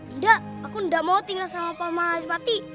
enggak aku enggak mau tinggal sama paman adipati